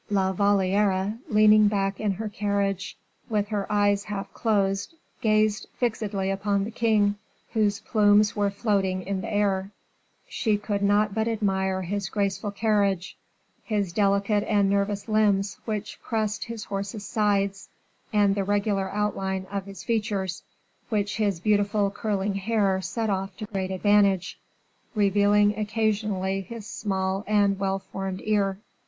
La Valliere, leaning back in her carriage, with her eyes half closed, gazed fixedly upon the king, whose plumes were floating in the air; she could not but admire his graceful carriage, his delicate and nervous limbs which pressed his horse's sides, and the regular outline of his features, which his beautiful curling hair set off to great advantage, revealing occasionally his small and well formed ear.